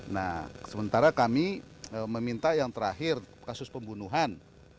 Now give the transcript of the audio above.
nah sementara kami meminta yang terakhir kasus pembunuhan tiga ratus empat puluh